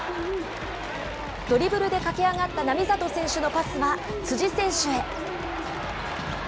ドリブルで駆け上がった並里選手のパスは辻選手へ。